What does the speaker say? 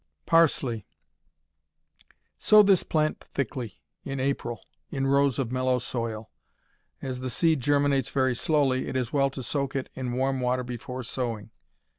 Parsley Sow this plant thickly, in April, in rows of mellow soil. As the seed germinates very slowly, it is well to soak it in warm water before sowing.